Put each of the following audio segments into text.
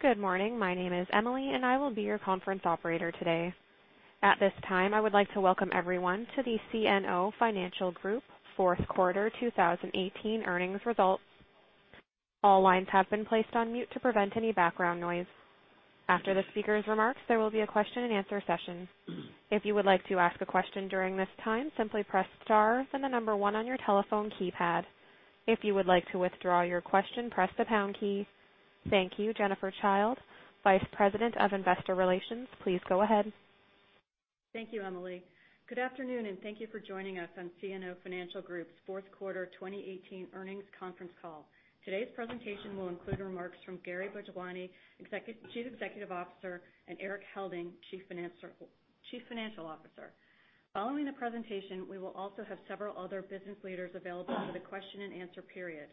Good morning. My name is Emily, and I will be your conference operator today. At this time, I would like to welcome everyone to the CNO Financial Group fourth quarter 2018 earnings results. All lines have been placed on mute to prevent any background noise. After the speakers' remarks, there will be a question and answer session. If you would like to ask a question during this time, simply press star then the number 1 on your telephone keypad. If you would like to withdraw your question, press the pound key. Thank you. Jennifer Childe, Vice President of Investor Relations, please go ahead. Thank you, Emily. Good afternoon, thank you for joining us on CNO Financial Group's fourth quarter 2018 earnings conference call. Today's presentation will include remarks from Gary Bhojwani, Chief Executive Officer, Erik Helding, Chief Financial Officer. Following the presentation, we will also have several other business leaders available for the question and answer period.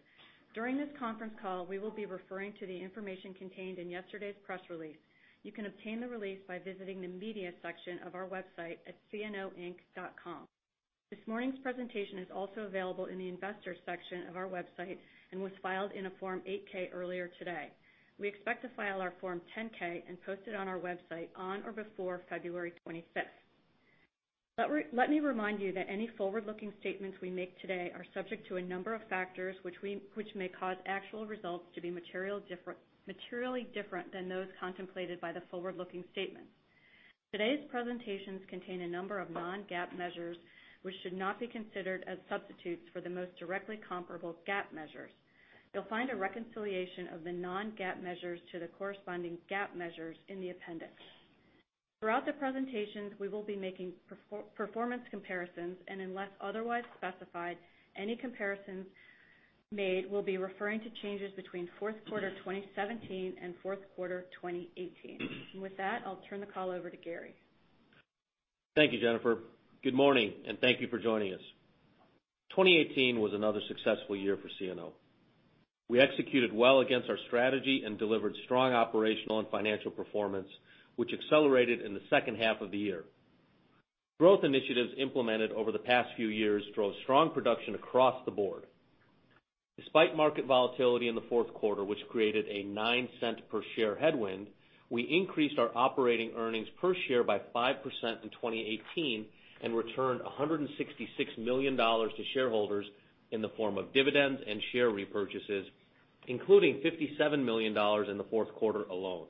During this conference call, we will be referring to the information contained in yesterday's press release. You can obtain the release by visiting the media section of our website at cnoinc.com. This morning's presentation is also available in the investors section of our website and was filed in a Form 8-K earlier today. We expect to file our Form 10-K and post it on our website on or before February 25th. Let me remind you that any forward-looking statements we make today are subject to a number of factors which may cause actual results to be materially different than those contemplated by the forward-looking statements. Today's presentations contain a number of non-GAAP measures which should not be considered as substitutes for the most directly comparable GAAP measures. You'll find a reconciliation of the non-GAAP measures to the corresponding GAAP measures in the appendix. Throughout the presentations, we will be making performance comparisons. Unless otherwise specified, any comparisons made will be referring to changes between fourth quarter 2017 and fourth quarter 2018. With that, I'll turn the call over to Gary. Thank you, Jennifer. Good morning, thank you for joining us. 2018 was another successful year for CNO. We executed well against our strategy and delivered strong operational and financial performance, which accelerated in the second half of the year. Growth initiatives implemented over the past few years drove strong production across the board. Despite market volatility in the fourth quarter, which created a $0.09 per share headwind, we increased our operating earnings per share by 5% in 2018 and returned $166 million to shareholders in the form of dividends and share repurchases, including $57 million in the fourth quarter alone.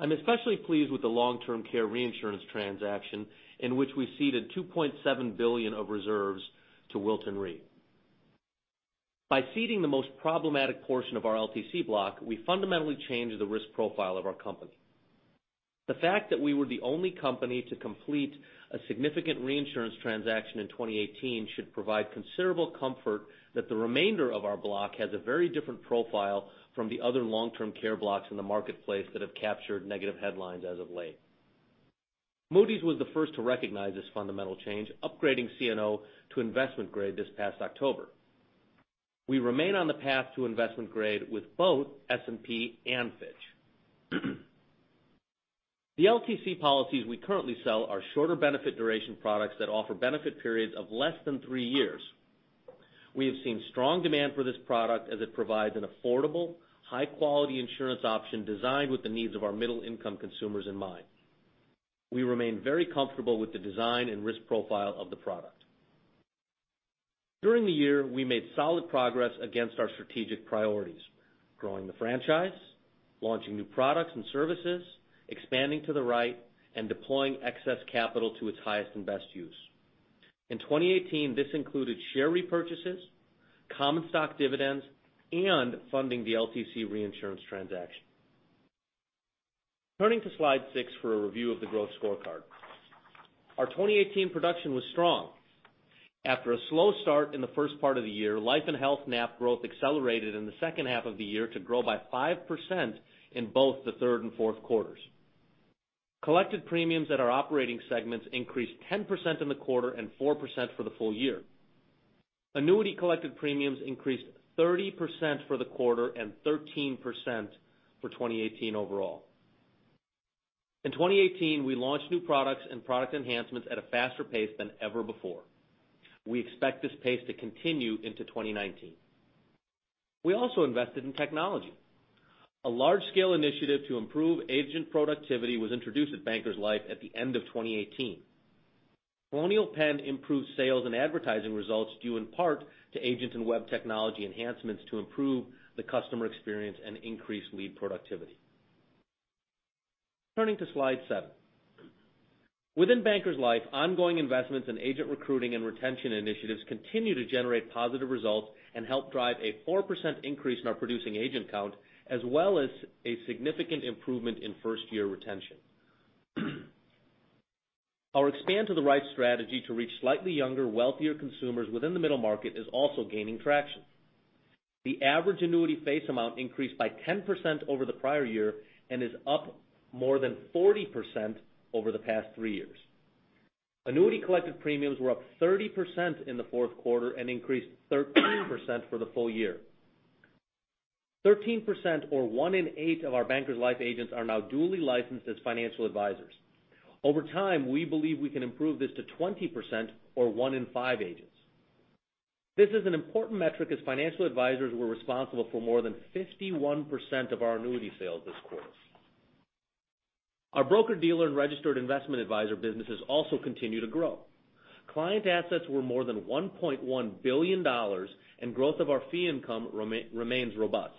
I'm especially pleased with the long-term care reinsurance transaction in which we ceded $2.7 billion of reserves to Wilton Re. By ceding the most problematic portion of our LTC block, we fundamentally changed the risk profile of our company. The fact that we were the only company to complete a significant reinsurance transaction in 2018 should provide considerable comfort that the remainder of our block has a very different profile from the other long-term care blocks in the marketplace that have captured negative headlines as of late. Moody's was the first to recognize this fundamental change, upgrading CNO to investment grade this past October. We remain on the path to investment grade with both S&P and Fitch. The LTC policies we currently sell are shorter benefit duration products that offer benefit periods of less than three years. We have seen strong demand for this product as it provides an affordable, high-quality insurance option designed with the needs of our middle-income consumers in mind. We remain very comfortable with the design and risk profile of the product. During the year, we made solid progress against our strategic priorities, growing the franchise, launching new products and services, expanding to the right, and deploying excess capital to its highest and best use. In 2018, this included share repurchases, common stock dividends, and funding the LTC reinsurance transaction. Turning to slide six for a review of the growth scorecard. Our 2018 production was strong. After a slow start in the first part of the year, life and health NAP growth accelerated in the second half of the year to grow by 5% in both the third and fourth quarters. Collected premiums at our operating segments increased 10% in the quarter and 4% for the full year. Annuity collected premiums increased 30% for the quarter and 13% for 2018 overall. In 2018, we launched new products and product enhancements at a faster pace than ever before. We expect this pace to continue into 2019. We also invested in technology. A large-scale initiative to improve agent productivity was introduced at Bankers Life at the end of 2018. Colonial Penn improved sales and advertising results due in part to agents and web technology enhancements to improve the customer experience and increase lead productivity. Turning to slide seven. Within Bankers Life, ongoing investments in agent recruiting and retention initiatives continue to generate positive results and help drive a 4% increase in our producing agent count, as well as a significant improvement in first-year retention. Our expand to the right strategy to reach slightly younger, wealthier consumers within the middle market is also gaining traction. The average annuity face amount increased by 10% over the prior year and is up more than 40% over the past three years. Annuity collected premiums were up 30% in the fourth quarter and increased 13% for the full year. 13% or one in eight of our Bankers Life agents are now duly licensed as financial advisors. Over time, we believe we can improve this to 20% or one in five agents. This is an important metric as financial advisors were responsible for more than 51% of our annuity sales this quarter. Our broker dealer and registered investment advisor businesses also continue to grow. Client assets were more than $1.1 billion, and growth of our fee income remains robust.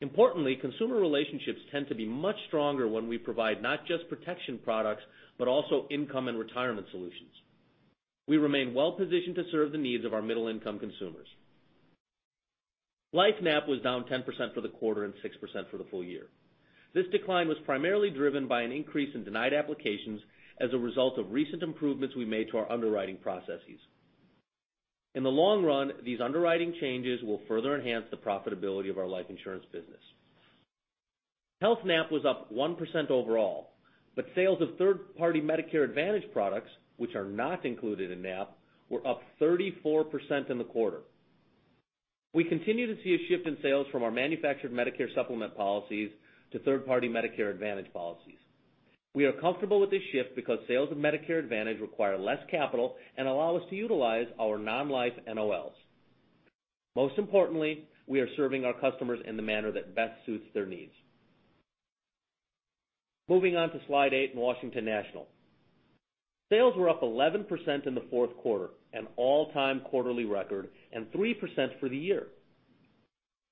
Importantly, consumer relationships tend to be much stronger when we provide not just protection products, but also income and retirement solutions. We remain well-positioned to serve the needs of our middle income consumers. Life NAP was down 10% for the quarter and 6% for the full year. This decline was primarily driven by an increase in denied applications as a result of recent improvements we made to our underwriting processes. In the long run, these underwriting changes will further enhance the profitability of our life insurance business. Health NAP was up 1% overall, but sales of third-party Medicare Advantage products, which are not included in NAP, were up 34% in the quarter. We continue to see a shift in sales from our manufactured Medicare Supplement policies to third-party Medicare Advantage policies. We are comfortable with this shift because sales of Medicare Advantage require less capital and allow us to utilize our non-life NOLs. Most importantly, we are serving our customers in the manner that best suits their needs. Moving on to slide eight in Washington National. Sales were up 11% in the fourth quarter, an all-time quarterly record, and 3% for the year.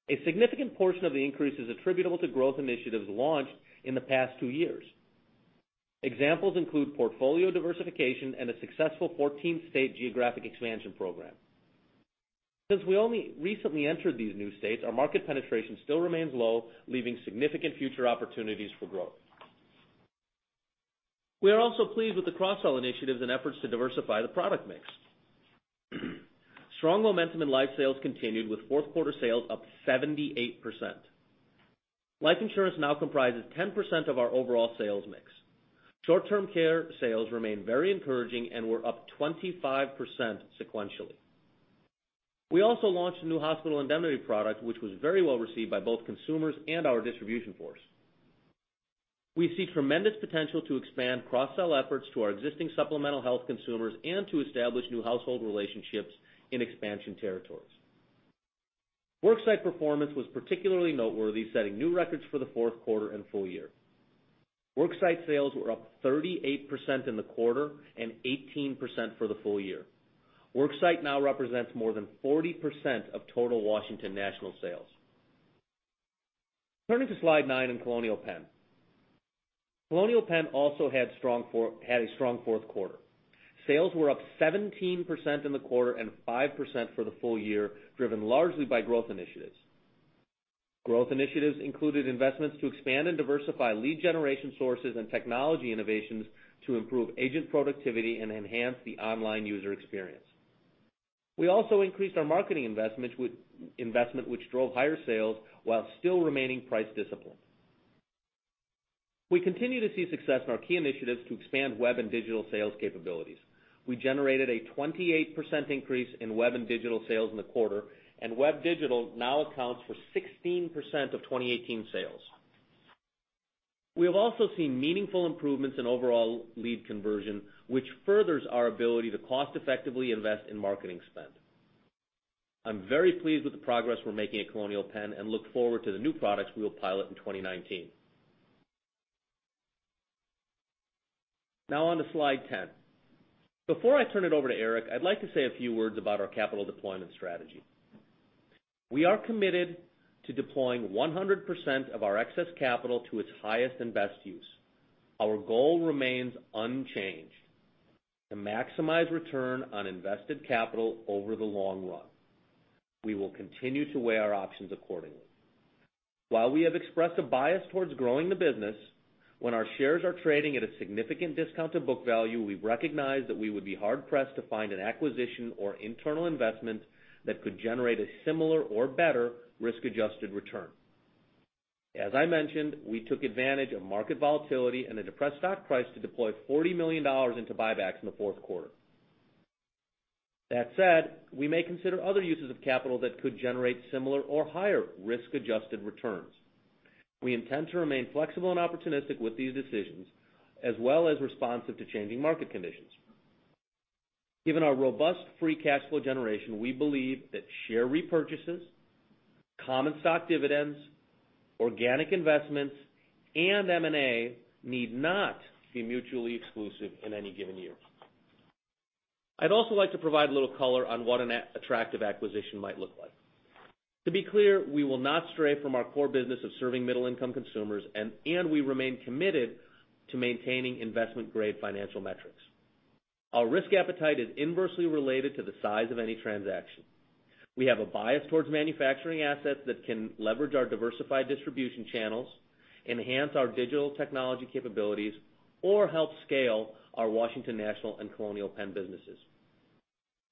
A significant portion of the increase is attributable to growth initiatives launched in the past two years. Examples include portfolio diversification and a successful 14-state geographic expansion program. Since we only recently entered these new states, our market penetration still remains low, leaving significant future opportunities for growth. We are also pleased with the cross-sell initiatives and efforts to diversify the product mix. Strong momentum in life sales continued with fourth quarter sales up 78%. Life insurance now comprises 10% of our overall sales mix. Short-term care sales remain very encouraging and were up 25% sequentially. We also launched a new hospital indemnity product, which was very well received by both consumers and our distribution force. We see tremendous potential to expand cross-sell efforts to our existing supplemental health consumers and to establish new household relationships in expansion territories. Worksite performance was particularly noteworthy, setting new records for the fourth quarter and full year. Worksite sales were up 38% in the quarter and 18% for the full year. Worksite now represents more than 40% of total Washington National sales. Turning to slide nine in Colonial Penn. Colonial Penn also had a strong fourth quarter. Sales were up 17% in the quarter and 5% for the full year, driven largely by growth initiatives. Growth initiatives included investments to expand and diversify lead generation sources and technology innovations to improve agent productivity and enhance the online user experience. We also increased our marketing investment, which drove higher sales while still remaining price disciplined. We continue to see success in our key initiatives to expand web and digital sales capabilities. We generated a 28% increase in web and digital sales in the quarter, and web digital now accounts for 16% of 2018 sales. We have also seen meaningful improvements in overall lead conversion, which furthers our ability to cost effectively invest in marketing spend. I'm very pleased with the progress we're making at Colonial Penn and look forward to the new products we will pilot in 2019. Now on to slide 10. Before I turn it over to Erik, I'd like to say a few words about our capital deployment strategy. We are committed to deploying 100% of our excess capital to its highest and best use. Our goal remains unchanged, to maximize return on invested capital over the long run. We will continue to weigh our options accordingly. While we have expressed a bias towards growing the business, when our shares are trading at a significant discount to book value, we recognize that we would be hard-pressed to find an acquisition or internal investment that could generate a similar or better risk-adjusted return. As I mentioned, we took advantage of market volatility and a depressed stock price to deploy $40 million into buybacks in the fourth quarter. That said, we may consider other uses of capital that could generate similar or higher risk-adjusted returns. We intend to remain flexible and opportunistic with these decisions, as well as responsive to changing market conditions. Given our robust free cash flow generation, we believe that share repurchases, common stock dividends, organic investments, and M&A need not be mutually exclusive in any given year. I'd also like to provide a little color on what an attractive acquisition might look like. To be clear, we will not stray from our core business of serving middle income consumers and we remain committed to maintaining investment-grade financial metrics. Our risk appetite is inversely related to the size of any transaction. We have a bias towards manufacturing assets that can leverage our diversified distribution channels, enhance our digital technology capabilities, or help scale our Washington National and Colonial Penn businesses.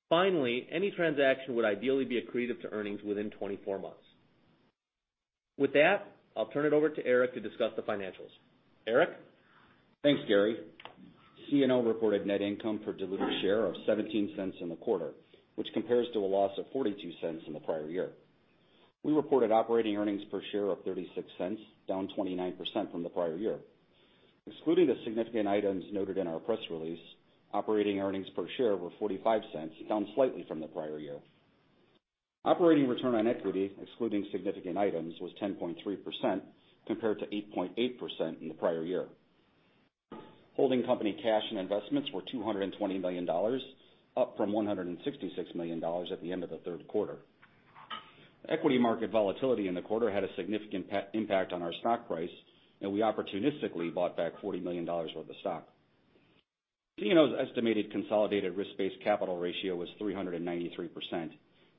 Finally, any transaction would ideally be accretive to earnings within 24 months. With that, I'll turn it over to Erik to discuss the financials. Erik? Thanks, Gary. CNO reported net income per diluted share of $0.17 in the quarter, which compares to a loss of $0.42 in the prior year. We reported operating earnings per share of $0.36, down 29% from the prior year. Excluding the significant items noted in our press release, operating earnings per share were $0.45, down slightly from the prior year. Operating return on equity, excluding significant items, was 10.3%, compared to 8.8% in the prior year. Holding company cash and investments were $220 million, up from $166 million at the end of the third quarter. Equity market volatility in the quarter had a significant impact on our stock price, and we opportunistically bought back $40 million worth of stock. CNO's estimated consolidated risk-based capital ratio was 393%,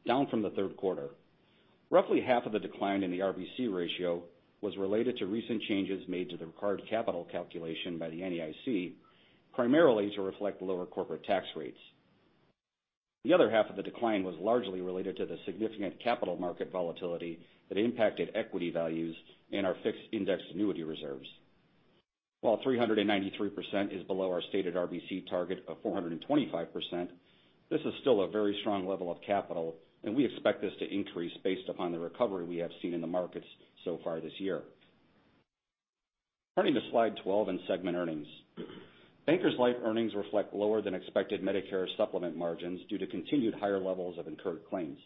down from the third quarter. Roughly half of the decline in the RBC ratio was related to recent changes made to the required capital calculation by the NAIC, primarily to reflect lower corporate tax rates. The other half of the decline was largely related to the significant capital market volatility that impacted equity values and our fixed indexed annuity reserves. While 393% is below our stated RBC target of 425%, this is still a very strong level of capital, and we expect this to increase based upon the recovery we have seen in the markets so far this year. Turning to Slide 12 in segment earnings. Bankers Life earnings reflect lower than expected Medicare Supplement margins due to continued higher levels of incurred claims.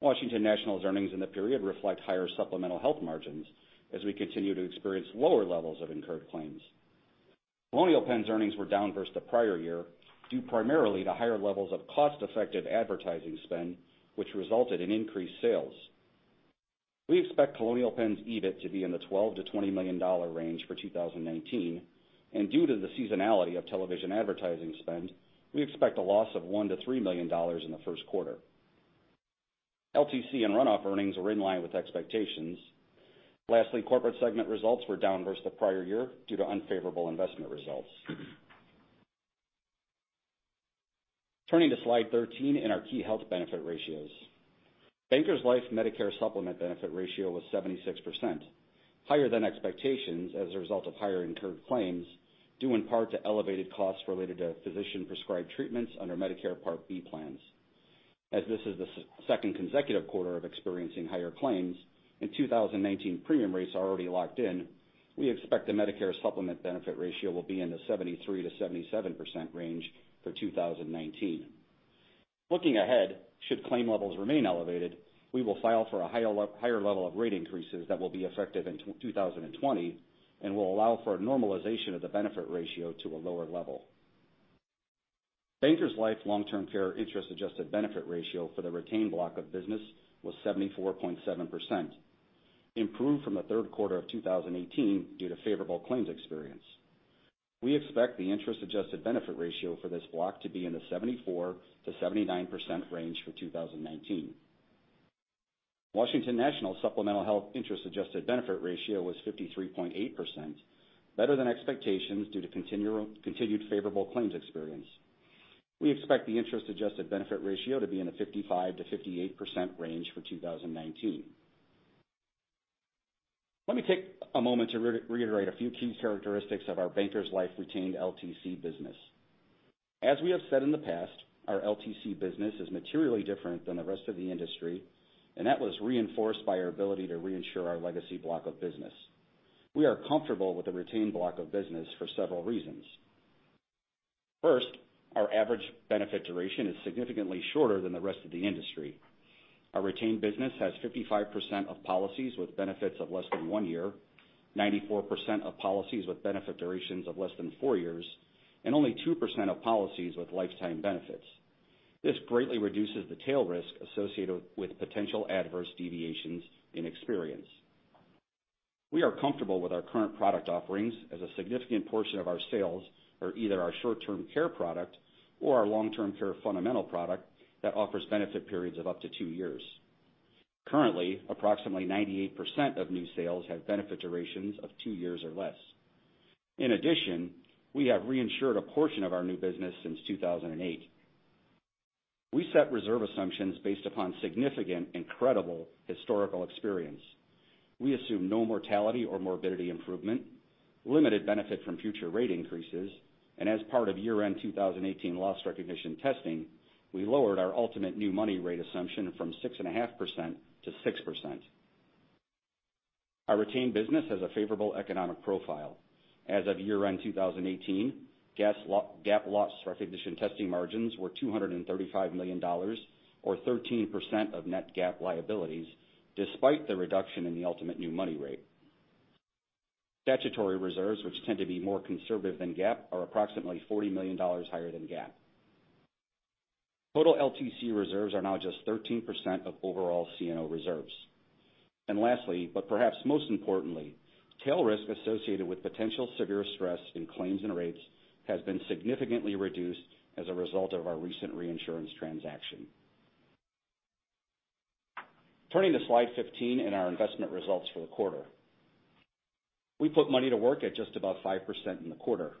Washington National's earnings in the period reflect higher supplemental health margins as we continue to experience lower levels of incurred claims. Colonial Penn's earnings were down versus the prior year, due primarily to higher levels of cost-effective advertising spend, which resulted in increased sales. We expect Colonial Penn's EBIT to be in the $12 million-$20 million range for 2019, due to the seasonality of television advertising spend, we expect a loss of $1 million-$3 million in the first quarter. LTC and run-off earnings were in line with expectations. Lastly, corporate segment results were down versus the prior year due to unfavorable investment results. Turning to Slide 13 and our key health benefit ratios. Bankers Life Medicare Supplement benefit ratio was 76%, higher than expectations as a result of higher incurred claims due in part to elevated costs related to physician-prescribed treatments under Medicare Part B plans. This is the second consecutive quarter of experiencing higher claims, and 2019 premium rates are already locked in, we expect the Medicare Supplement benefit ratio will be in the 73%-77% range for 2019. Looking ahead, should claim levels remain elevated, we will file for a higher level of rate increases that will be effective in 2020 and will allow for a normalization of the benefit ratio to a lower level. Bankers Life long-term care interest adjusted benefit ratio for the retained block of business was 74.7%, improved from the third quarter of 2018 due to favorable claims experience. We expect the interest-adjusted benefit ratio for this block to be in the 74%-79% range for 2019. Washington National Supplemental Health interest-adjusted benefit ratio was 53.8%, better than expectations due to continued favorable claims experience. We expect the interest-adjusted benefit ratio to be in the 55%-58% range for 2019. Let me take a moment to reiterate a few key characteristics of our Bankers Life retained LTC business. We have said in the past, our LTC business is materially different than the rest of the industry, and that was reinforced by our ability to reinsure our legacy block of business. We are comfortable with the retained block of business for several reasons. First, our average benefit duration is significantly shorter than the rest of the industry. Our retained business has 55% of policies with benefits of less than one year, 94% of policies with benefit durations of less than four years, and only 2% of policies with lifetime benefits. This greatly reduces the tail risk associated with potential adverse deviations in experience. We are comfortable with our current product offerings as a significant portion of our sales are either our short-term care product or our Long-Term Care Fundamental product that offers benefit periods of up to two years. Currently, approximately 98% of new sales have benefit durations of two years or less. In addition, we have reinsured a portion of our new business since 2008. We set reserve assumptions based upon significant and credible historical experience. We assume no mortality or morbidity improvement, limited benefit from future rate increases, and as part of year-end 2018 loss recognition testing, we lowered our ultimate new money rate assumption from 6.5%-6%. Our retained business has a favorable economic profile. As of year-end 2018, GAAP loss recognition testing margins were $235 million, or 13% of net GAAP liabilities, despite the reduction in the ultimate new money rate. Statutory reserves, which tend to be more conservative than GAAP, are approximately $40 million higher than GAAP. Total LTC reserves are now just 13% of overall CNO reserves. Lastly, but perhaps most importantly, tail risk associated with potential severe stress in claims and rates has been significantly reduced as a result of our recent reinsurance transaction. Turning to Slide 15 and our investment results for the quarter. We put money to work at just about 5% in the quarter.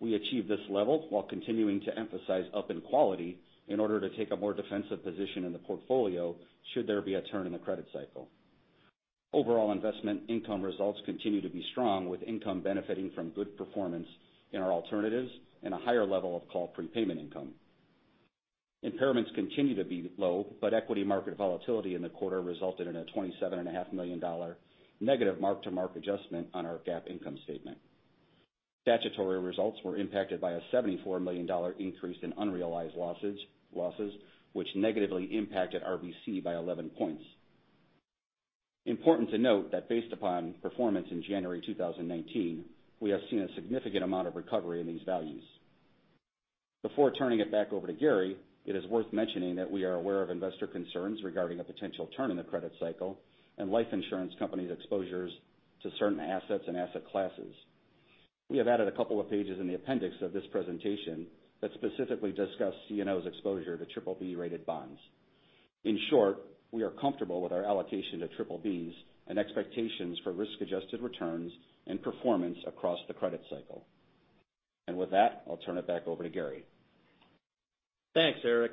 We achieved this level while continuing to emphasize up in quality in order to take a more defensive position in the portfolio should there be a turn in the credit cycle. Overall investment income results continue to be strong, with income benefiting from good performance in our alternatives and a higher level of call prepayment income. Impairments continue to be low, equity market volatility in the quarter resulted in a $27.5 million negative mark-to-market adjustment on our GAAP income statement. Statutory results were impacted by a $74 million increase in unrealized losses, which negatively impacted RBC by 11 points. Important to note that based upon performance in January 2019, we have seen a significant amount of recovery in these values. Before turning it back over to Gary, it is worth mentioning that we are aware of investor concerns regarding a potential turn in the credit cycle and life insurance companies' exposures to certain assets and asset classes. We have added a couple of pages in the appendix of this presentation that specifically discuss CNO's exposure to BBB-rated bonds. In short, we are comfortable with our allocation to BBBs and expectations for risk-adjusted returns and performance across the credit cycle. With that, I'll turn it back over to Gary. Thanks, Erik.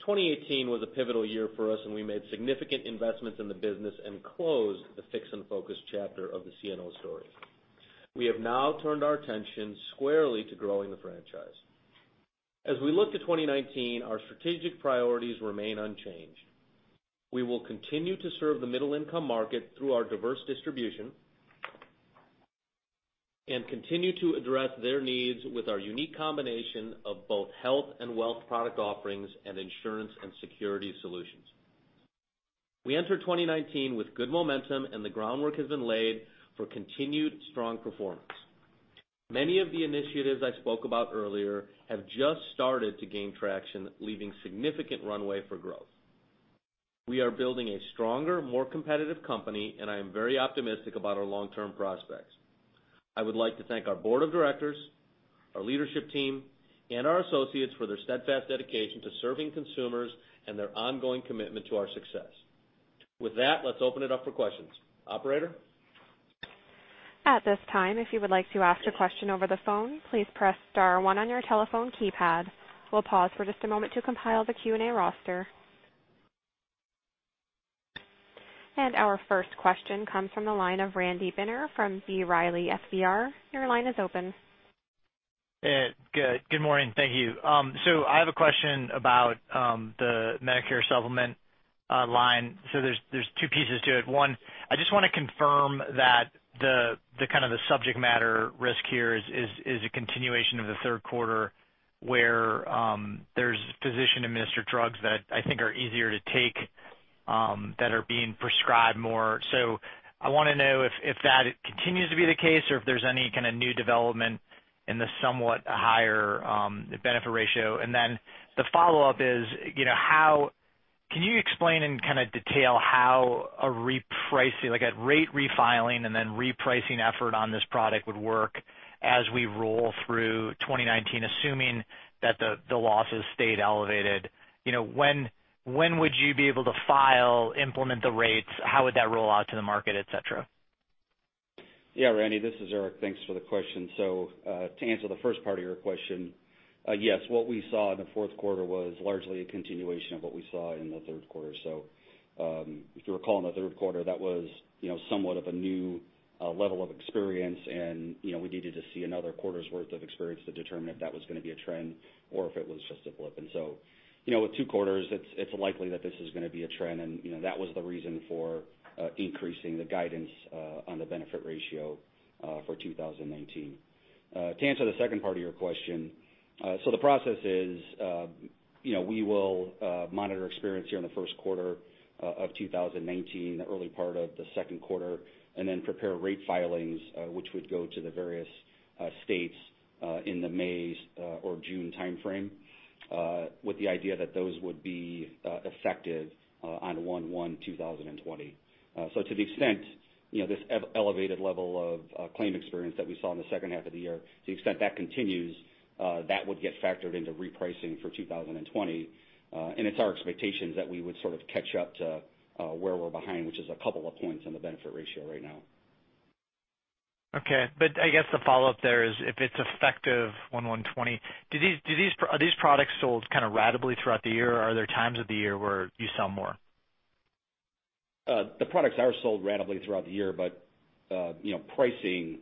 2018 was a pivotal year for us, and we made significant investments in the business and closed the fix and focus chapter of the CNO story. We have now turned our attention squarely to growing the franchise. As we look to 2019, our strategic priorities remain unchanged. We will continue to serve the middle-income market through our diverse distribution and continue to address their needs with our unique combination of both health and wealth product offerings and insurance and security solutions. We enter 2019 with good momentum, and the groundwork has been laid for continued strong performance. Many of the initiatives I spoke about earlier have just started to gain traction, leaving significant runway for growth. We are building a stronger, more competitive company, and I am very optimistic about our long-term prospects. I would like to thank our board of directors, our leadership team, and our associates for their steadfast dedication to serving consumers and their ongoing commitment to our success. With that, let's open it up for questions. Operator? At this time, if you would like to ask a question over the phone, please press star one on your telephone keypad. We'll pause for just a moment to compile the Q&A roster. Our first question comes from the line of Randy Binner from B. Riley FBR. Your line is open. Good morning. Thank you. I have a question about the Medicare Supplement line. There's two pieces to it. One, I just want to confirm that the kind of the subject matter risk here is a continuation of the third quarter, where there's physician-administered drugs that I think are easier to take, that are being prescribed more. I want to know if that continues to be the case or if there's any kind of new development in the somewhat higher benefit ratio. The follow-up is, can you explain in kind of detail how a rate refiling and then repricing effort on this product would work as we roll through 2019, assuming that the losses stayed elevated? When would you be able to file, implement the rates? How would that roll out to the market, et cetera? Yeah, Randy, this is Erik. Thanks for the question. To answer the first part of your question, yes, what we saw in the fourth quarter was largely a continuation of what we saw in the third quarter. If you recall, in the third quarter, that was somewhat of a new level of experience, and we needed to see another quarter's worth of experience to determine if that was going to be a trend or if it was just a blip. With two quarters, it's likely that this is going to be a trend, and that was the reason for increasing the guidance on the benefit ratio for 2019. To answer the second part of your question, the process is we will monitor experience here in the first quarter of 2019, the early part of the second quarter, and then prepare rate filings, which would go to the various states in the May or June timeframe, with the idea that those would be effective on 1/1/2020. To the extent this elevated level of claim experience that we saw in the second half of the year, to the extent that continues, that would get factored into repricing for 2020. It's our expectation that we would sort of catch up to where we're behind, which is a couple of points on the benefit ratio right now. Okay. I guess the follow-up there is if it's effective 1/1/2020, are these products sold kind of ratably throughout the year, or are there times of the year where you sell more? The products are sold ratably throughout the year, but pricing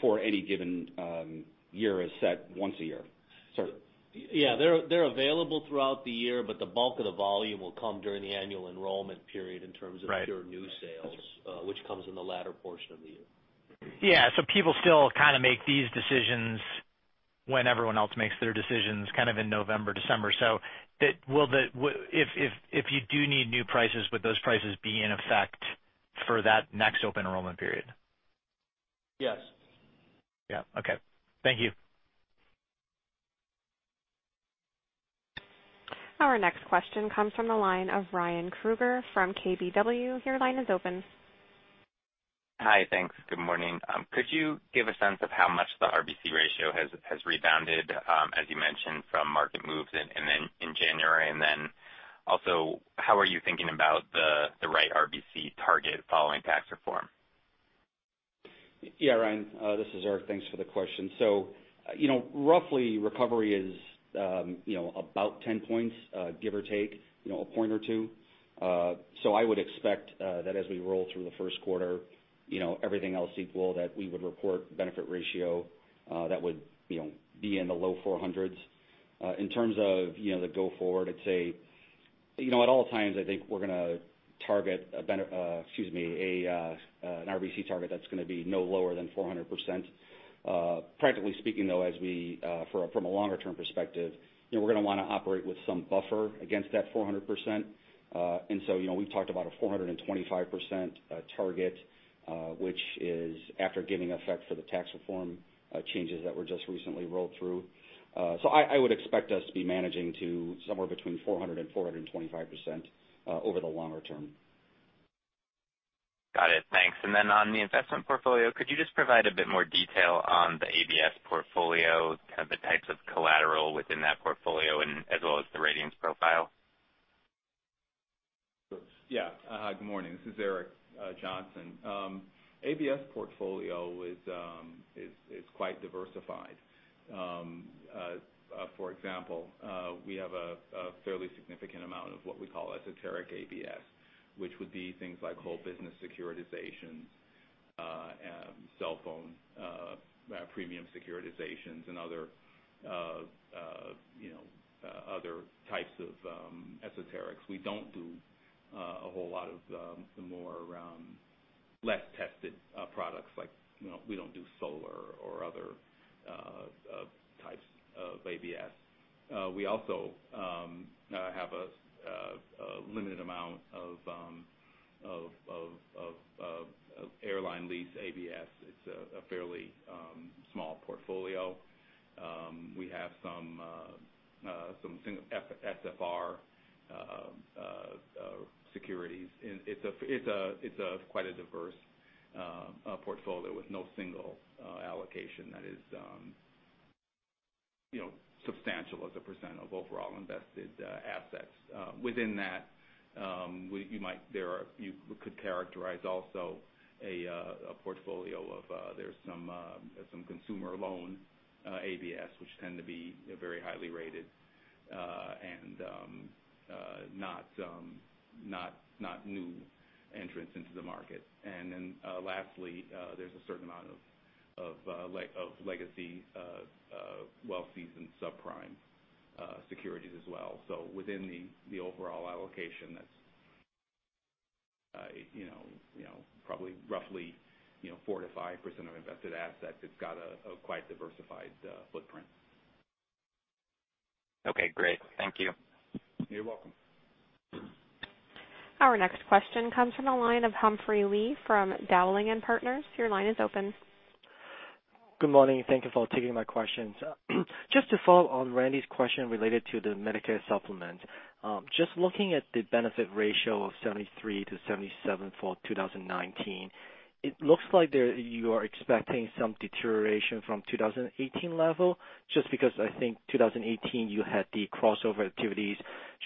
for any given year is set once a year. Yeah. They're available throughout the year, but the bulk of the volume will come during the annual enrollment period in terms of. Right pure new sales, which comes in the latter portion of the year. People still kind of make these decisions when everyone else makes their decisions kind of in November, December. If you do need new prices, would those prices be in effect for that next open enrollment period? Yes. Yeah. Okay. Thank you. Our next question comes from the line of Ryan Krueger from KBW. Your line is open. Hi. Thanks. Good morning. Could you give a sense of how much the RBC ratio has rebounded, as you mentioned, from market moves in January? Also, how are you thinking about the right RBC target following tax reform? Yeah, Ryan, this is Erik. Thanks for the question. Roughly, recovery is about 10 points, give or take a point or two. I would expect that as we roll through the first quarter, everything else equal, that we would report benefit ratio that would be in the low 400s. In terms of the go forward, I'd say at all times, I think we're going to target an RBC target that's going to be no lower than 400%. Practically speaking, though, from a longer-term perspective, we're going to want to operate with some buffer against that 400%. We've talked about a 425% target which is after giving effect for the tax reform changes that were just recently rolled through. I would expect us to be managing to somewhere between 400 and 425% over the longer term. Got it. Thanks. On the investment portfolio, could you just provide a bit more detail on the ABS portfolio, kind of the types of collateral within that portfolio as well as the ratings profile? Yeah. Good morning. This is Eric Johnson. ABS portfolio is quite diversified. For example, we have a fairly significant amount of what we call esoteric ABS, which would be things like whole business securitizations, cell phone premium securitizations, other types of esoterics. We don't do a whole lot of the more less-tested products. We don't do solar or other types of ABS. We also have a limited amount of airline lease ABS. It's a fairly small portfolio. We have some SFR securities. It's quite a diverse portfolio with no single allocation that is substantial as a % of overall invested assets. Within that, you could characterize also a portfolio of, there's some consumer loan ABS, which tend to be very highly rated and not new entrants into the market. Lastly, there's a certain amount of legacy, well-seasoned, subprime securities as well. Within the overall allocation that's probably roughly 4% to 5% of invested assets, it's got a quite diversified footprint. Okay, great. Thank you. You're welcome. Our next question comes from the line of Humphrey Lee from Dowling & Partners. Your line is open. Good morning. Thank you for taking my questions. Just to follow on Randy's question related to the Medicare Supplement. Just looking at the benefit ratio of 73%-77% for 2019, it looks like you are expecting some deterioration from 2018 level, just because I think 2018, you had the crossover activities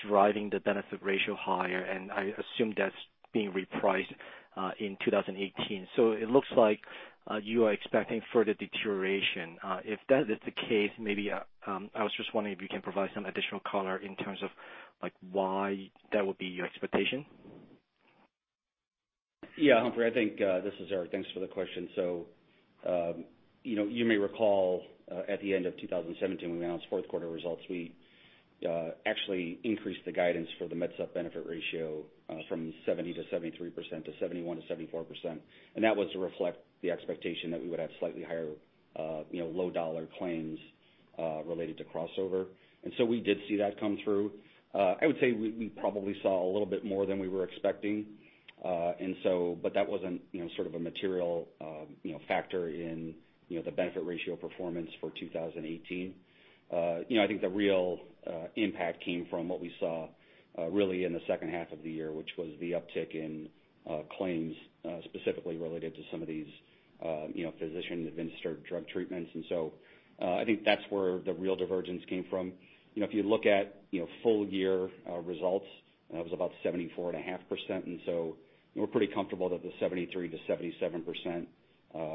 driving the benefit ratio higher, and I assume that is being repriced in 2018. It looks like you are expecting further deterioration. If that is the case, maybe I was just wondering if you can provide some additional color in terms of why that would be your expectation. Yeah, Humphrey. This is Erik. Thanks for the question. You may recall at the end of 2017, when we announced fourth quarter results, we actually increased the guidance for the Med Supp benefit ratio from 70%-73% to 71%-74%. That was to reflect the expectation that we would have slightly higher low dollar claims related to crossover. We did see that come through. I would say we probably saw a little bit more than we were expecting. That was not sort of a material factor in the benefit ratio performance for 2018. I think the real impact came from what we saw really in the second half of the year, which was the uptick in claims specifically related to some of these physician-administered drug treatments. I think that is where the real divergence came from. If you look at full-year results, that was about 74.5%. We are pretty comfortable that the 73%-77%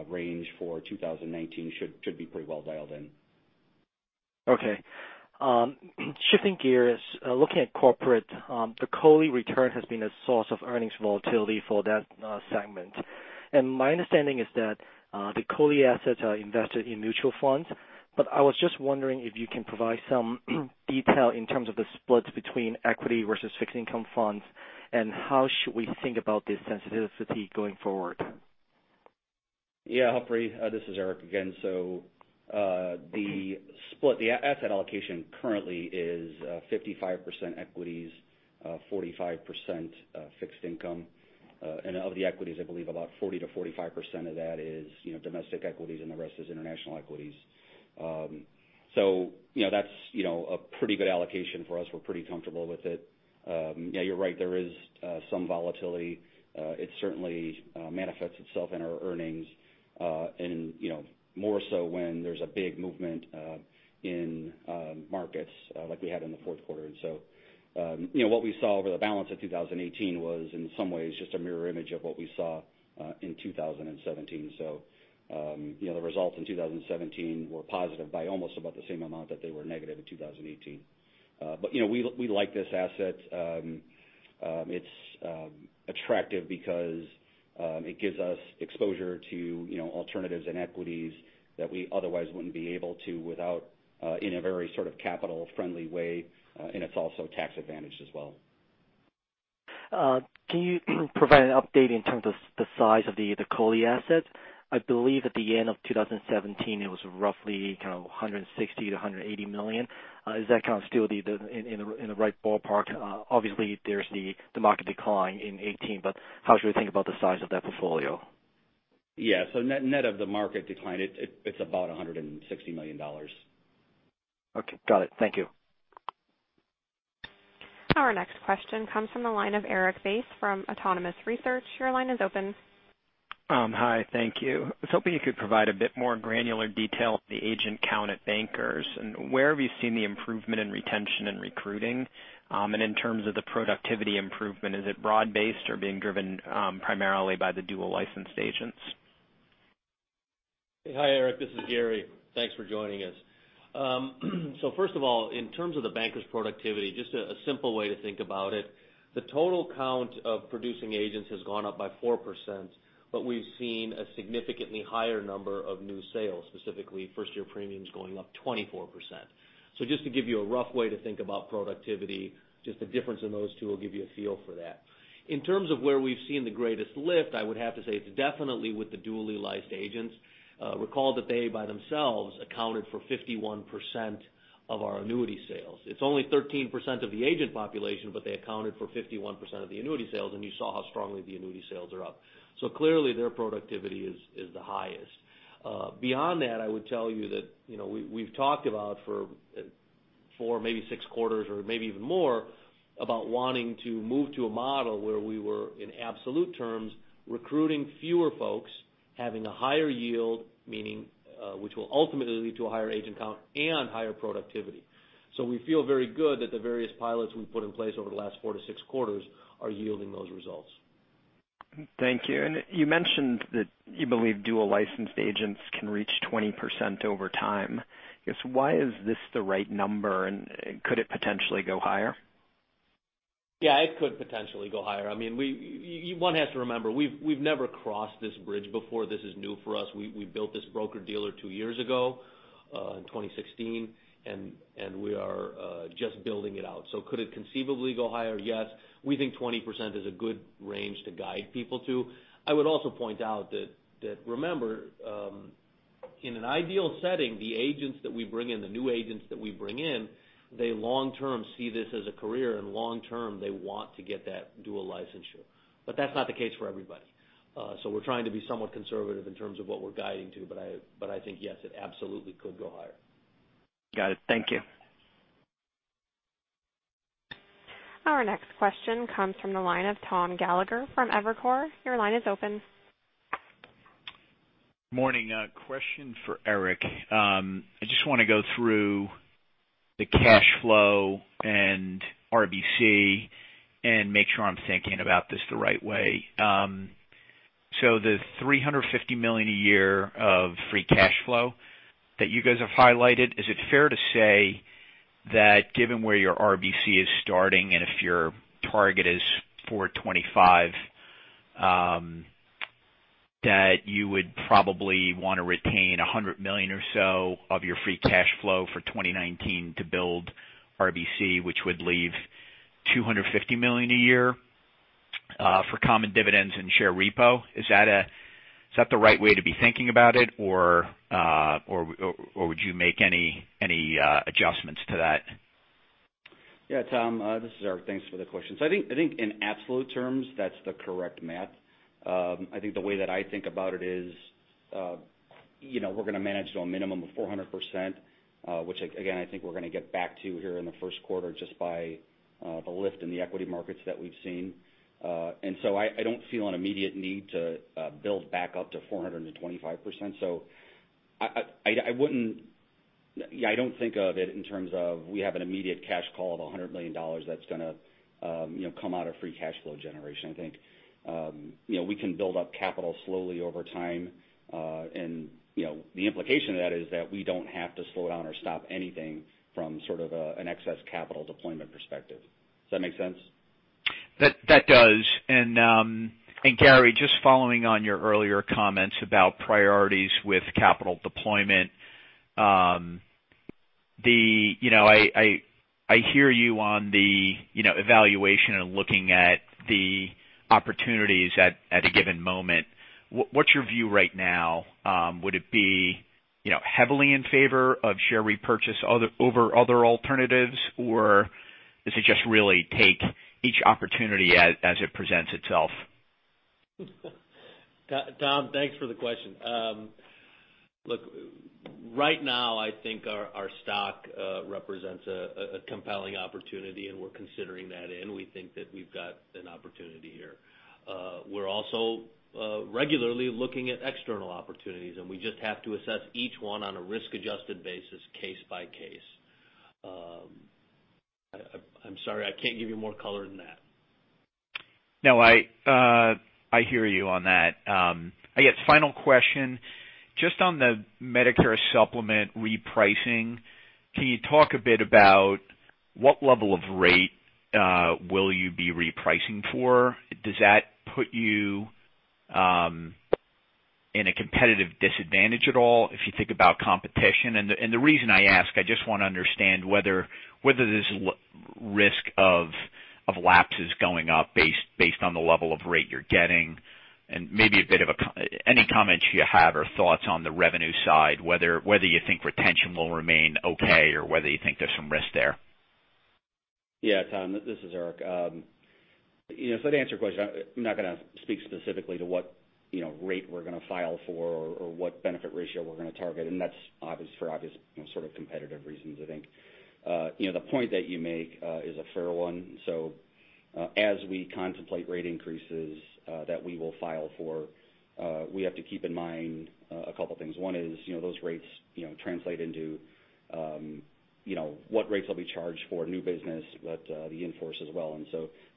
range for 2019 should be pretty well dialed in. Okay. Shifting gears. Looking at corporate, the COLI return has been a source of earnings volatility for that segment. My understanding is that the COLI assets are invested in mutual funds. I was just wondering if you can provide some detail in terms of the splits between equity versus fixed income funds, and how should we think about this sensitivity going forward? Humphrey, this is Eric again. The asset allocation currently is 55% equities, 45% fixed income. Of the equities, I believe about 40%-45% of that is domestic equities and the rest is international equities. That's a pretty good allocation for us. We're pretty comfortable with it. You're right, there is some volatility. It certainly manifests itself in our earnings, and more so when there's a big movement in markets like we had in the fourth quarter. What we saw over the balance of 2018 was in some ways just a mirror image of what we saw in 2017. The results in 2017 were positive by almost about the same amount that they were negative in 2018. We like this asset. It's attractive because it gives us exposure to alternatives and equities that we otherwise wouldn't be able to without, in a very capital friendly way, and it's also tax advantaged as well. Can you provide an update in terms of the size of the COLI asset? I believe at the end of 2017, it was roughly $160 million-$180 million. Is that kind of still in the right ballpark? Obviously, there's the market decline in 2018, how should we think about the size of that portfolio? Net of the market decline, it's about $160 million. Okay. Got it. Thank you. Our next question comes from the line of Erik Bass from Autonomous Research. Your line is open. Hi, thank you. I was hoping you could provide a bit more granular detail of the agent count at Bankers, and where have you seen the improvement in retention and recruiting? And in terms of the productivity improvement, is it broad-based or being driven primarily by the dual licensed agents? Hi, Erik. This is Gary. Thanks for joining us. First of all, in terms of the Bankers productivity, just a simple way to think about it, the total count of producing agents has gone up by 4%, but we've seen a significantly higher number of new sales, specifically first year premiums going up 24%. Just to give you a rough way to think about productivity, just the difference in those two will give you a feel for that. In terms of where we've seen the greatest lift, I would have to say it's definitely with the dually licensed agents. Recall that they, by themselves, accounted for 51% of our annuity sales. It's only 13% of the agent population, but they accounted for 51% of the annuity sales, and you saw how strongly the annuity sales are up. Clearly their productivity is the highest. Beyond that, I would tell you that we've talked about for maybe 6 quarters or maybe even more about wanting to move to a model where we were, in absolute terms, recruiting fewer folks, having a higher yield, which will ultimately lead to a higher agent count and higher productivity. We feel very good that the various pilots we've put in place over the last 4-6 quarters are yielding those results. Thank you. You mentioned that you believe dual licensed agents can reach 20% over time. I guess, why is this the right number, and could it potentially go higher? It could potentially go higher. One has to remember, we've never crossed this bridge before. This is new for us. We built this broker-dealer two years ago, in 2016, and we are just building it out. Could it conceivably go higher? Yes. We think 20% is a good range to guide people to. I would also point out that, remember, in an ideal setting, the agents that we bring in, the new agents that we bring in, they long term see this as a career, and long term, they want to get that dual licensure. That's not the case for everybody. We're trying to be somewhat conservative in terms of what we're guiding to, but I think, yes, it absolutely could go higher. Got it. Thank you. Our next question comes from the line of Tom Gallagher from Evercore. Your line is open. Morning. A question for Erik. I just want to go through the cash flow and RBC and make sure I'm thinking about this the right way. The $350 million a year of free cash flow that you guys have highlighted, is it fair to say that given where your RBC is starting, and if your target is 425%, that you would probably want to retain $100 million or so of your free cash flow for 2019 to build RBC, which would leave $250 million a year for common dividends and share repo? Is that the right way to be thinking about it, or would you make any adjustments to that? Yeah, Tom, this is Erik. Thanks for the question. I think in absolute terms, that's the correct math. I think the way that I think about it is we're going to manage to a minimum of 400%, which again, I think we're going to get back to here in the first quarter just by the lift in the equity markets that we've seen. I don't feel an immediate need to build back up to 425%. I don't think of it in terms of we have an immediate cash call of $100 million that's going to come out of free cash flow generation. I think we can build up capital slowly over time. The implication of that is that we don't have to slow down or stop anything from sort of an excess capital deployment perspective. Does that make sense? That does. Gary, just following on your earlier comments about priorities with capital deployment. I hear you on the evaluation and looking at the opportunities at a given moment. What's your view right now? Would it be heavily in favor of share repurchase over other alternatives, or is it just really take each opportunity as it presents itself? Tom, thanks for the question. Look, right now, I think our stock represents a compelling opportunity. We're considering that in. We think that we've got an opportunity here. We're also regularly looking at external opportunities. We just have to assess each one on a risk-adjusted basis case by case. I'm sorry, I can't give you more color than that. No, I hear you on that. I guess final question, just on the Medicare Supplement repricing, can you talk a bit about what level of rate will you be repricing for? Does that put you in a competitive disadvantage at all if you think about competition? The reason I ask, I just want to understand whether there's risk of lapses going up based on the level of rate you're getting, and any comments you have or thoughts on the revenue side, whether you think retention will remain okay or whether you think there's some risk there. Yeah, Tom, this is Erik. To answer your question, I'm not going to speak specifically to what rate we're going to file for or what benefit ratio we're going to target. That's for obvious competitive reasons, I think. The point that you make is a fair one. As we contemplate rate increases that we will file for, we have to keep in mind a couple of things. One is, those rates translate into what rates will be charged for new business, but the in-force as well.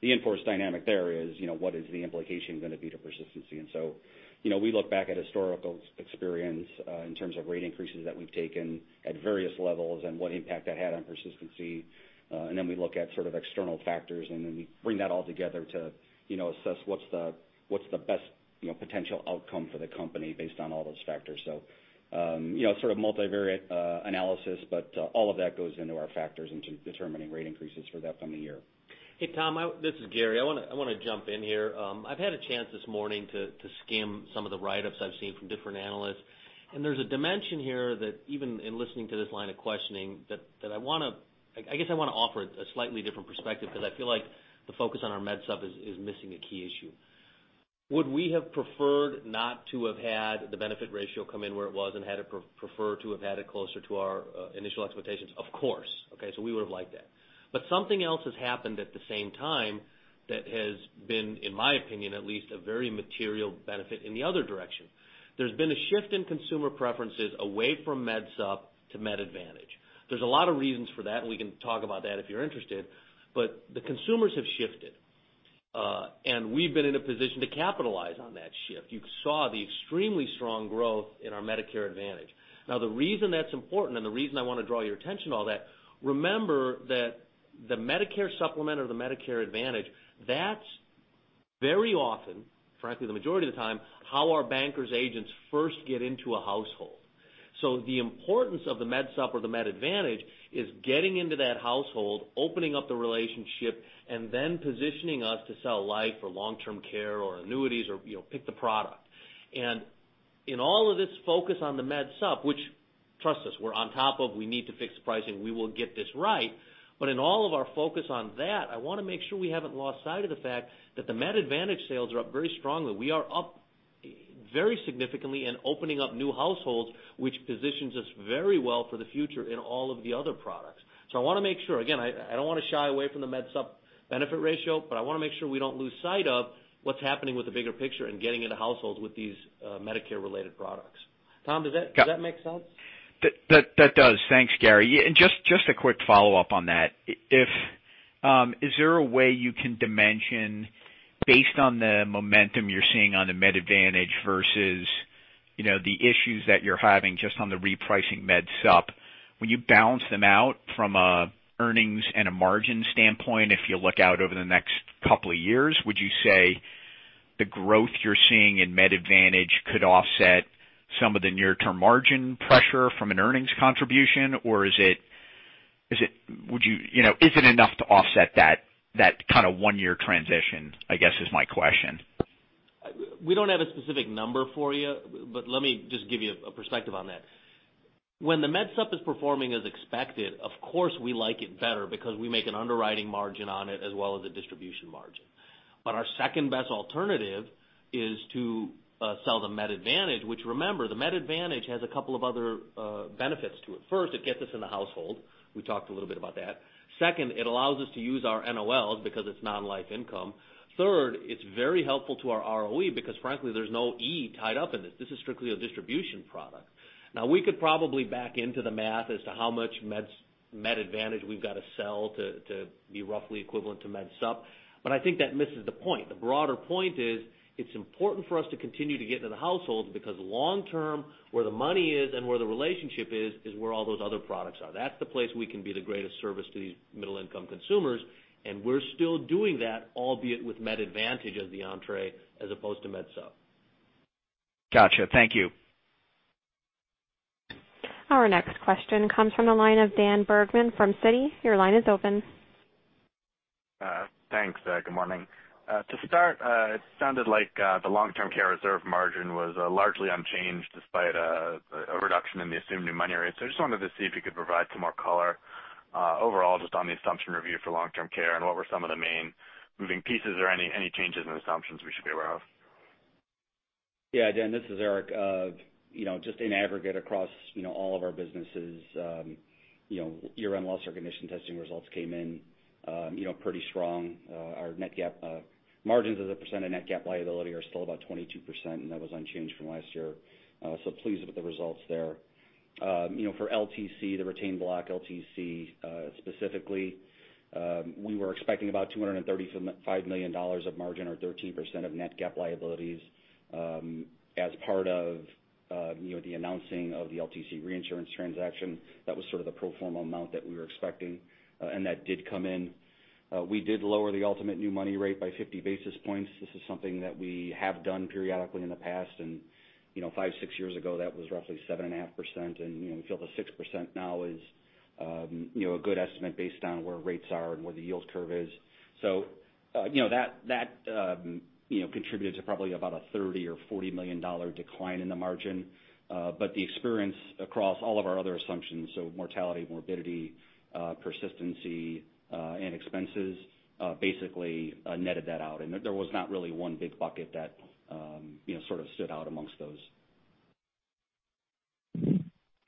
The in-force dynamic there is what is the implication going to be to persistency? We look back at historical experience in terms of rate increases that we've taken at various levels and what impact that had on persistency. We look at external factors, and then we bring that all together to assess what's the best potential outcome for the company based on all those factors. Sort of multivariate analysis, but all of that goes into our factors into determining rate increases for that coming year. Hey, Tom, this is Gary. I want to jump in here. I've had a chance this morning to skim some of the write-ups I've seen from different analysts, and there's a dimension here that even in listening to this line of questioning, that I guess I want to offer a slightly different perspective because I feel like the focus on our MedSup is missing a key issue. Would we have preferred not to have had the benefit ratio come in where it was and preferred to have had it closer to our initial expectations? Of course. Okay, we would've liked that. Something else has happened at the same time that has been, in my opinion, at least, a very material benefit in the other direction. There's been a shift in consumer preferences away from MedSup to MedAdvantage. There's a lot of reasons for that, and we can talk about that if you're interested, but the consumers have shifted. We've been in a position to capitalize on that shift. You saw the extremely strong growth in our Medicare Advantage. The reason that's important and the reason I want to draw your attention to all that, remember that the Medicare Supplement or the Medicare Advantage, that's very often, frankly, the majority of the time, how our Bankers Life agents first get into a household. The importance of the MedSup or the MedAdvantage is getting into that household, opening up the relationship, and then positioning us to sell life or long-term care or annuities or pick the product. In all of this focus on the MedSup, which trust us, we're on top of, we need to fix the pricing, we will get this right, but in all of our focus on that, I want to make sure we haven't lost sight of the fact that the MedAdvantage sales are up very strongly. We are up very significantly in opening up new households, which positions us very well for the future in all of the other products. I want to make sure, again, I don't want to shy away from the MedSup benefit ratio, but I want to make sure we don't lose sight of what's happening with the bigger picture and getting into households with these Medicare-related products. Tom, does that make sense? That does. Thanks, Gary. Just a quick follow-up on that. Is there a way you can dimension based on the momentum you're seeing on the MedAdvantage versus the issues that you're having just on the repricing MedSup when you balance them out from an earnings and a margin standpoint, if you look out over the next couple of years, would you say the growth you're seeing in MedAdvantage could offset some of the near-term margin pressure from an earnings contribution? Or is it enough to offset that one-year transition, I guess is my question. We don't have a specific number for you, but let me just give you a perspective on that. When the MedSup is performing as expected, of course, we like it better because we make an underwriting margin on it as well as a distribution margin. Our second-best alternative is to sell the MedAdvantage, which remember, the MedAdvantage has a couple of other benefits to it. First, it gets us in the household. We talked a little bit about that. Second, it allows us to use our NOLs because it's non-life income. Third, it's very helpful to our ROE because frankly, there's no E tied up in this. This is strictly a distribution product. We could probably back into the math as to how much MedAdvantage we've got to sell to be roughly equivalent to MedSup, but I think that misses the point. The broader point is it's important for us to continue to get into the household because long term, where the money is and where the relationship is where all those other products are. That's the place we can be the greatest service to these middle-income consumers, and we're still doing that, albeit with MedAdvantage as the entrée as opposed to MedSup. Got you. Thank you. Our next question comes from the line of Daniel Bergman from Citi. Your line is open. Thanks. Good morning. To start, it sounded like the long-term care reserve margin was largely unchanged despite a reduction in the assumed new money rate. I just wanted to see if you could provide some more color overall just on the assumption review for long-term care, and what were some of the main moving pieces or any changes in assumptions we should be aware of? Yeah, Dan, this is Erik. Just in aggregate across all of our businesses, year-end loss recognition testing results came in pretty strong. Our margins as a percent of net GAAP liability are still about 22%, and that was unchanged from last year. Pleased with the results there. For LTC, the retained block, LTC specifically, we were expecting about $235 million of margin or 13% of net GAAP liabilities. As part of the announcing of the LTC reinsurance transaction, that was sort of the pro forma amount that we were expecting. That did come in. We did lower the ultimate new money rate by 50 basis points. This is something that we have done periodically in the past, and five, six years ago, that was roughly 7.5%, and we feel the 6% now is a good estimate based on where rates are and where the yield curve is. That contributed to probably about a $30 or $40 million decline in the margin. The experience across all of our other assumptions, so mortality, morbidity, persistency, and expenses, basically netted that out. There was not really one big bucket that sort of stood out amongst those.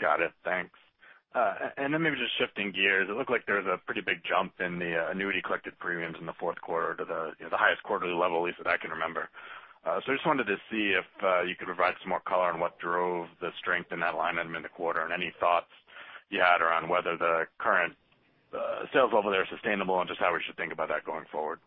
Got it. Thanks. Maybe just shifting gears, it looked like there was a pretty big jump in the annuity collected premiums in the fourth quarter to the highest quarterly level, at least that I can remember. I just wanted to see if you could provide some more color on what drove the strength in that line item in the quarter and any thoughts you had around whether the current sales level there are sustainable and just how we should think about that going forward.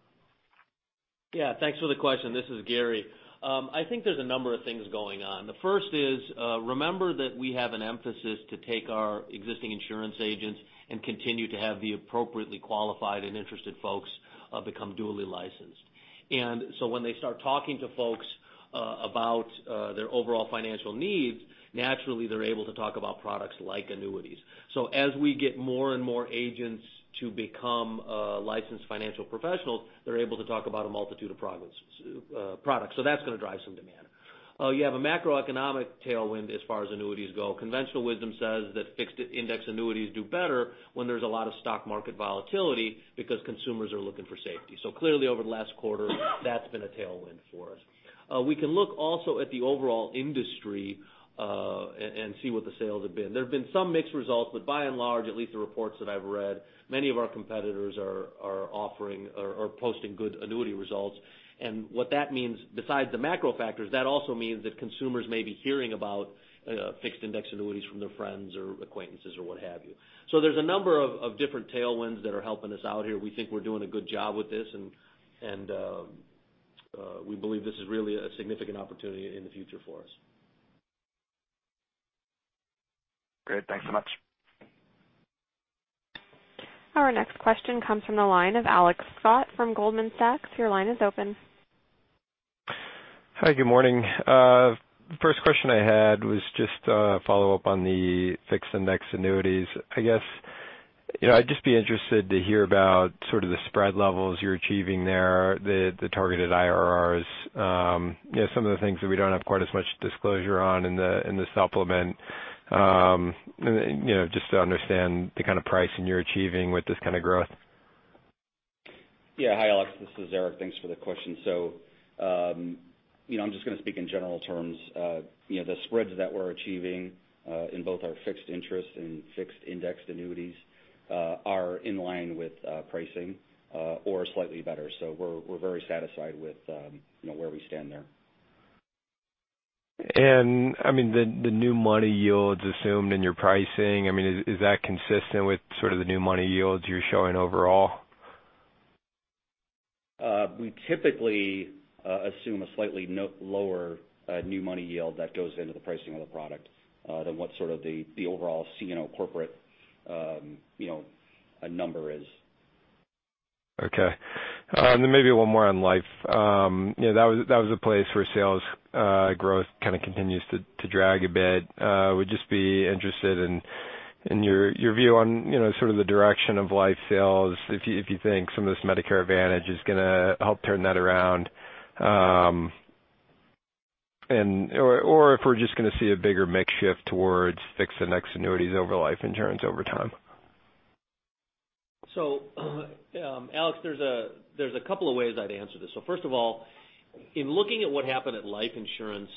Yeah. Thanks for the question. This is Gary. I think there's a number of things going on. The first is, remember that we have an emphasis to take our existing insurance agents and continue to have the appropriately qualified and interested folks become duly licensed. When they start talking to folks about their overall financial needs, naturally, they're able to talk about products like annuities. As we get more and more agents to become licensed financial professionals, they're able to talk about a multitude of products. That's going to drive some demand. You have a macroeconomic tailwind as far as annuities go. Conventional wisdom says that fixed indexed annuities do better when there's a lot of stock market volatility because consumers are looking for safety. Clearly over the last quarter, that's been a tailwind for us. We can look also at the overall industry, and see what the sales have been. There have been some mixed results, but by and large, at least the reports that I've read, many of our competitors are posting good annuity results. What that means, besides the macro factors, that also means that consumers may be hearing about fixed indexed annuities from their friends or acquaintances or what have you. There's a number of different tailwinds that are helping us out here. We think we're doing a good job with this, and we believe this is really a significant opportunity in the future for us. Great. Thanks so much. Our next question comes from the line of Alex Scott from Goldman Sachs. Your line is open. Hi, good morning. First question I had was just a follow-up on the fixed indexed annuities. I guess, I'd just be interested to hear about sort of the spread levels you're achieving there, the targeted IRRs. Some of the things that we don't have quite as much disclosure on in the supplement, just to understand the kind of pricing you're achieving with this kind of growth. Yeah. Hi, Alex. This is Erik. Thanks for the question. I'm just going to speak in general terms. The spreads that we're achieving in both our fixed interest and fixed indexed annuities are in line with pricing, or slightly better. We're very satisfied with where we stand there. I mean, the new money yields assumed in your pricing, I mean, is that consistent with sort of the new money yields you're showing overall? We typically assume a slightly lower new money yield that goes into the pricing of the product, than what sort of the overall CNO corporate number is. Okay. Maybe one more on life. That was a place where sales growth kind of continues to drag a bit. Would just be interested in your view on sort of the direction of life sales, if you think some of this Medicare Advantage is going to help turn that around, or if we're just going to see a bigger mix shift towards fixed indexed annuities over life insurance over time. Alex, there's a couple of ways I'd answer this. First of all, in looking at what happened at life insurance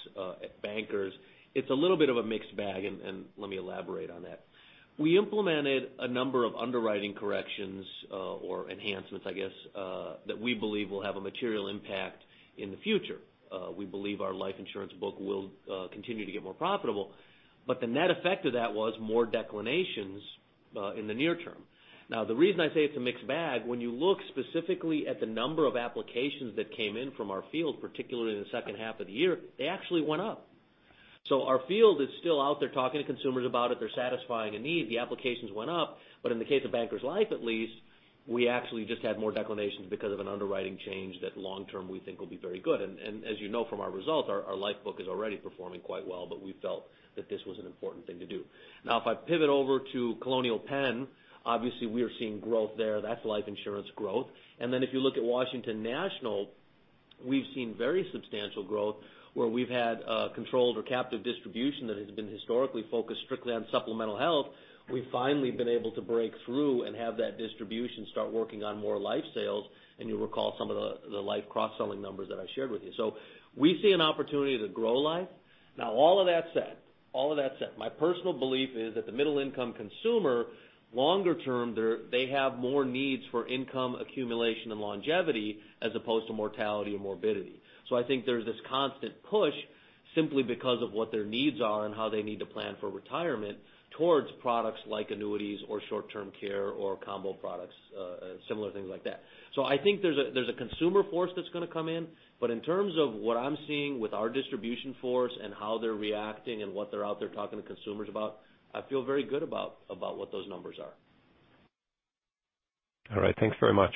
at Bankers Life, it's a little bit of a mixed bag, and let me elaborate on that. We implemented a number of underwriting corrections or enhancements, I guess, that we believe will have a material impact in the future. We believe our life insurance book will continue to get more profitable. The net effect of that was more declinations in the near term. The reason I say it's a mixed bag, when you look specifically at the number of applications that came in from our field, particularly in the second half of the year, they actually went up. Our field is still out there talking to consumers about it. They're satisfying a need. The applications went up. In the case of Bankers Life, at least, we actually just had more declinations because of an underwriting change that long term we think will be very good. As you know from our results, our life book is already performing quite well, but we felt that this was an important thing to do. If I pivot over to Colonial Penn, obviously we are seeing growth there. That's life insurance growth. If you look at Washington National We've seen very substantial growth where we've had a controlled or captive distribution that has been historically focused strictly on supplemental health. We've finally been able to break through and have that distribution start working on more life sales. You'll recall some of the life cross-selling numbers that I shared with you. We see an opportunity to grow life. All of that said, my personal belief is that the middle-income consumer, longer term, they have more needs for income accumulation and longevity as opposed to mortality and morbidity. I think there's this constant push, simply because of what their needs are and how they need to plan for retirement, towards products like annuities or short-term care or combo products, similar things like that. I think there's a consumer force that's going to come in, but in terms of what I'm seeing with our distribution force and how they're reacting and what they're out there talking to consumers about, I feel very good about what those numbers are. All right. Thanks very much.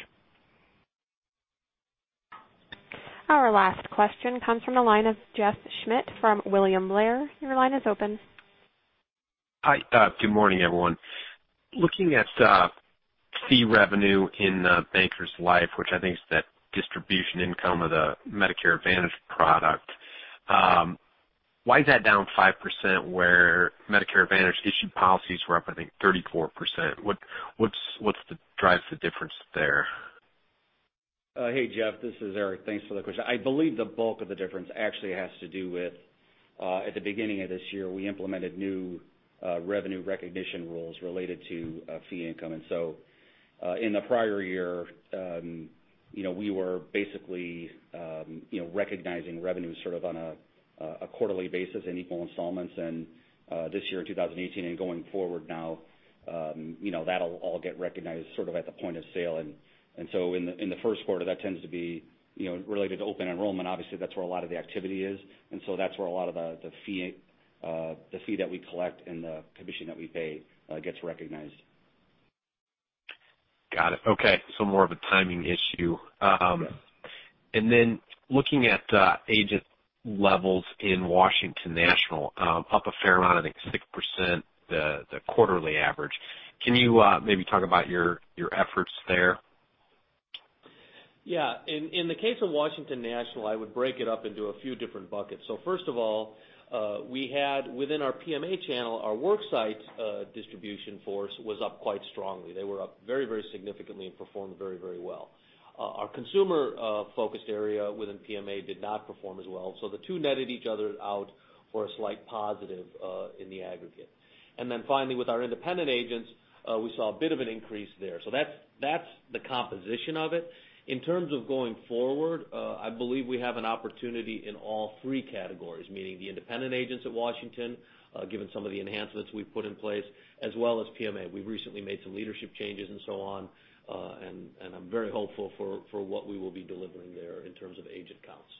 Our last question comes from the line of Jeff Schmitt from William Blair. Your line is open. Hi. Good morning, everyone. Looking at fee revenue in Bankers Life, which I think is that distribution income of the Medicare Advantage product, why is that down 5% where Medicare Advantage issued policies were up, I think, 34%? What drives the difference there? Hey, Jeff. This is Erik. Thanks for the question. I believe the bulk of the difference actually has to do with at the beginning of this year, we implemented new revenue recognition rules related to fee income. In the prior year, we were basically recognizing revenue sort of on a quarterly basis in equal installments. This year, in 2018 and going forward now, that'll all get recognized sort of at the point of sale. In the first quarter, that tends to be related to open enrollment. Obviously, that's where a lot of the activity is, that's where a lot of the fee that we collect and the commission that we pay gets recognized. Got it. Okay. More of a timing issue. Yes. Looking at agent levels in Washington National, up a fair amount, I think 6%, the quarterly average. Can you maybe talk about your efforts there? Yeah. In the case of Washington National, I would break it up into a few different buckets. First of all, we had within our PMA channel, our worksite distribution force was up quite strongly. They were up very significantly and performed very well. Our consumer-focused area within PMA did not perform as well. The two netted each other out for a slight positive in the aggregate. Finally, with our independent agents, we saw a bit of an increase there. That's the composition of it. In terms of going forward, I believe we have an opportunity in all three categories, meaning the independent agents at Washington, given some of the enhancements we've put in place, as well as PMA. We've recently made some leadership changes and so on. I'm very hopeful for what we will be delivering there in terms of agent counts.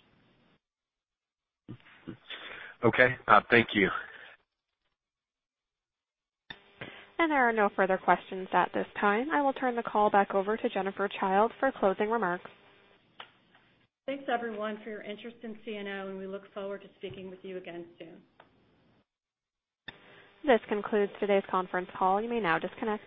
Okay. Thank you. There are no further questions at this time. I will turn the call back over to Jennifer Childe for closing remarks. Thanks, everyone, for your interest in CNO, and we look forward to speaking with you again soon. This concludes today's conference call. You may now disconnect.